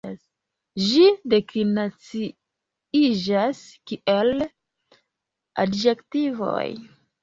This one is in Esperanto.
Ĝi deklinaciiĝas kiel adjektivoj.